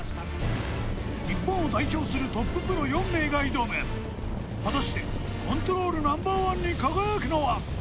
日本を代表するトッププロ４名が挑む、果たしてコントロールナンバーワンに輝くのは？